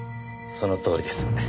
そのとおりです。